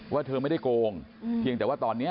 เธอไม่ได้โกงเพียงแต่ว่าตอนนี้